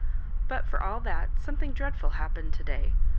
" But for all that something dreadful happened today.